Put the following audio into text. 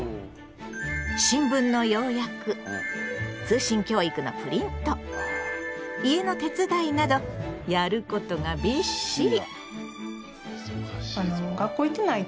新聞の要約通信教育のプリント家の手伝いなどやることがびっしり。